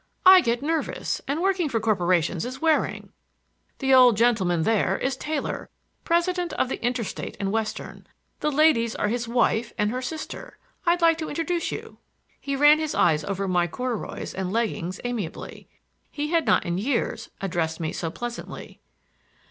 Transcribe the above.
I get nervous, and working for corporations is wearing. The old gentleman there is Taylor, president of the Interstate and Western. The ladies are his wife and her sister. I'd like to introduce you." He ran his eyes over my corduroys and leggings amiably. He had not in years addressed me so pleasantly.